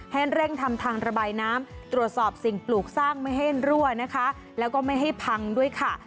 ให้เร่งทำทางระบายน้ำตรวจสอบสิ่งปลูกสร้างไม่ให้รั่วนะคะแล้วก็ไม่ให้พังด้วยค่ะ